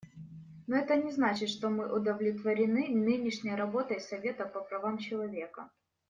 Но это не значит, что мы удовлетворены нынешней работой Совета по правам человека.